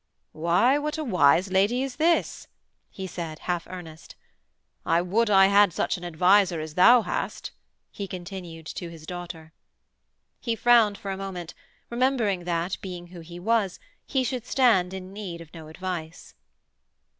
'Why, what a wise lady is this!' he said, half earnest. 'I would I had such an adviser as thou hast,' he continued to his daughter. He frowned for a moment, remembering that, being who he was, he should stand in need of no advice.